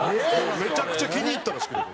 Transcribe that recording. めちゃくちゃ気に入ったらしくて。